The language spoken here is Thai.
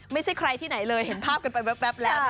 ไม่ใช่ใครที่ไหนเลยเห็นภาพกันไปแว๊บแล้ว